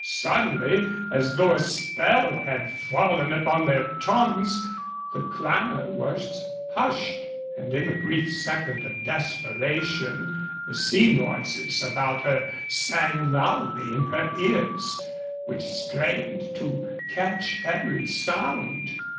Suddenly, as though a spell had fallen upon their tongues, the clamor was hushed, and in the brief second of desperation the sea noises about her sang loudly in her ears, which strained to catch every sound.